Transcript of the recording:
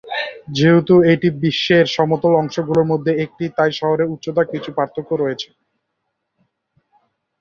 যেহেতু এটি বিশ্বের সমতল অংশগুলির মধ্যে একটি, তাই শহরের উচ্চতায় কিছু পার্থক্য রয়েছে।